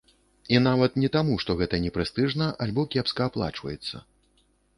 І нават не таму, што гэта не прэстыжна альбо кепска аплачваецца.